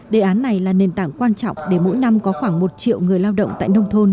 đề án này là nền tảng quan trọng để mỗi năm có khoảng một triệu người lao động tại nông thôn